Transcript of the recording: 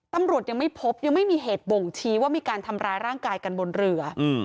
ตำรวจยังไม่พบยังไม่มีเหตุบ่งชี้ว่ามีการทำร้ายร่างกายกันบนเรือ